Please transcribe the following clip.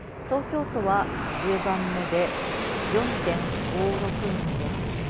東京都は、１０番目で４．５６人です。